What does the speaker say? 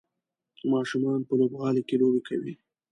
ماشومان په لوبغالي کې لوبې کوي.